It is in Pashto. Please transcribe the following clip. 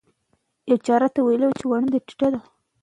آیا ته پښتو کتابونه په پوره مینه لولې؟